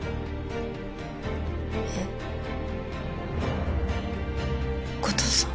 えっ後藤さん？